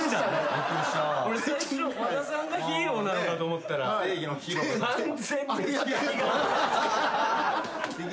俺最初和田さんがヒーローなのかと思ったら完全に敵側。